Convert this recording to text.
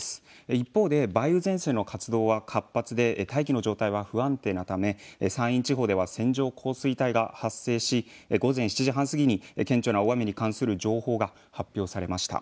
一方で梅雨前線の活動は活発で大気の状態が不安定なため山陰地方では線状降水帯が発生し午前７時半過ぎに顕著な大雨に関する情報が発表されました。